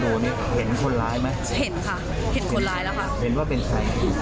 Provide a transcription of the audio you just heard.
รู้จักกันด้วยสิมีคนเอารถไปใช่